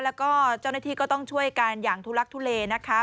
แล้วก็เจ้าหน้าที่ก็ต้องช่วยกันอย่างทุลักทุเลนะคะ